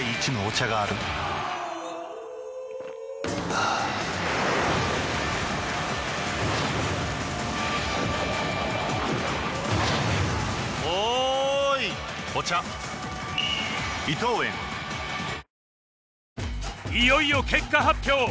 わぁいよいよ結果発表